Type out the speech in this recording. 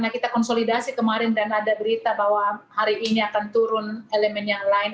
kita konsolidasi kemarin dan ada berita bahwa hari ini akan turun elemen yang lain